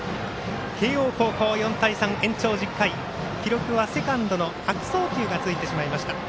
慶応高校、４対３延長１０回、記録はセカンドの悪送球がついてしまいました。